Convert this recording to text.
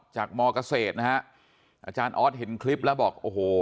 มเกษตรนะฮะอาจารย์ออสเห็นคลิปแล้วบอกโอ้โห